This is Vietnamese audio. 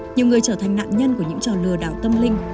nhiều người trở thành nạn nhân của những trò lừa đảo tâm linh